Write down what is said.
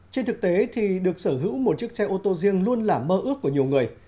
trên thực tế thì được sở hữu một chiếc xe ô tô riêng luôn là mơ ước của nhiều người